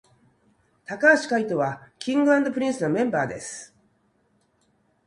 髙橋海人は King & Prince のメンバーです